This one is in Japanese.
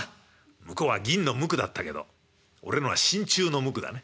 向こうは銀の無垢だったけど俺のは真鍮の無垢だね。